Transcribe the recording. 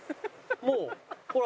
もうほら。